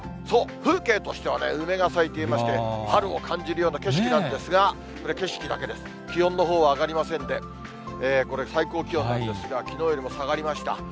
そう、風景としては梅が咲いていまして、春を感じるような景色なんですが、これ、景色だけで、気温のほうは上がりませんで、これ、最高気温なんですが、きのうよりも下がりました。